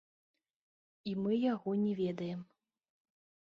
І мы яго не ведаем.